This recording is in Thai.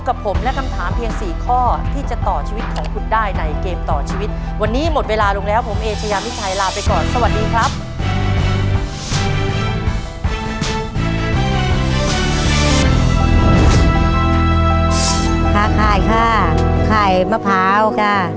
ค่ะค่ายค่ะไข่มะพร้าวค่ะ